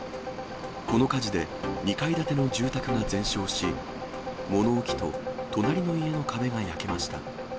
この火事で、２階建ての住宅が全焼し、物置と隣の家の壁が焼けました。